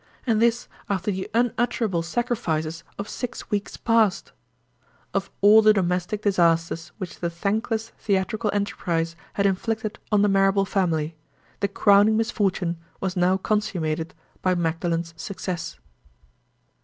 and this after the unutterable sacrifices of six weeks past! Of all the domestic disasters which the thankless theatrical enterprise had inflicted on the Marrable family, the crowning misfortune was now consummated by Magdalen's success.